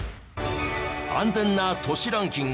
安全な都市ランキング